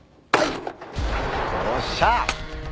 よっしゃ。